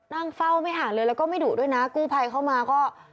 นั่งเฝ้าไม่ห่างเลยแล้วก็ไม่ดุด้วยนะกู้ภัยเข้ามาก็